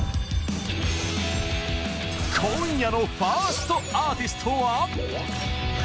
今夜のファーストアーティストは。